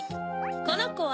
このコは。